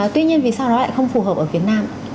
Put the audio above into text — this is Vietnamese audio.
tuy nhiên vì sao nó lại không phù hợp ở việt nam